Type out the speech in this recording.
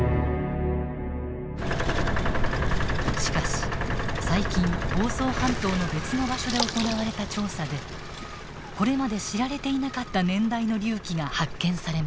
しかし最近房総半島の別の場所で行われた調査でこれまで知られていなかった年代の隆起が発見されました。